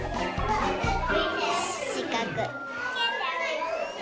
しかく。